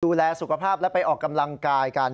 ดูแลสุขภาพและไปออกกำลังกายกัน